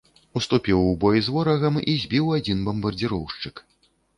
Уступіў у бой з ворагам і збіў адзін бамбардзіроўшчык.